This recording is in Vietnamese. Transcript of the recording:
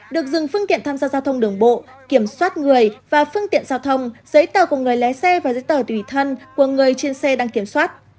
được dừng phương tiện tham gia giao thông đường bộ kiểm soát người và phương tiện giao thông giấy tờ của người lái xe và giấy tờ tùy thân của người trên xe đang kiểm soát